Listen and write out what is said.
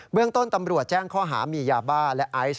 เรื่องต้นตำรวจแจ้งข้อหามียาบ้าและไอซ์